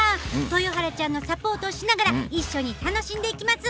豊原ちゃんのサポートをしながら一緒に楽しんでいきます。